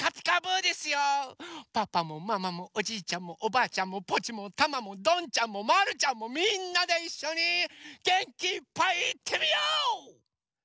パパもママもおじいちゃんもおばあちゃんもポチもタマもどんちゃんもまるちゃんもみんなでいっしょにげんきいっぱいいってみよう！